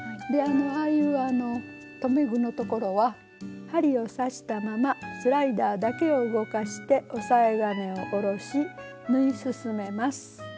ああいう留め具のところは針を刺したままスライダーだけを動かして押さえ金を下ろし縫い進めます。